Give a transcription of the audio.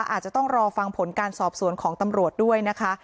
อาจจะต้องรอฟังผลการสอบสวนของตำรวจด้วยนะคะ